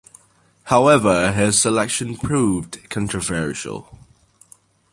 However, his selection proved controversial.